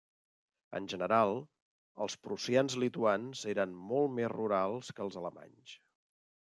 En general, els prussians lituans eren molt més rurals que els alemanys.